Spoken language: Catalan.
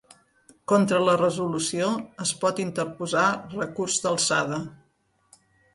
Contra la resolució es pot interposar recurs d'alçada.